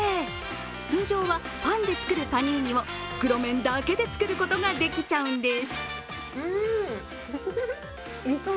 通常はパンで作るパニーニを袋麺だけで作ることができちゃうんです。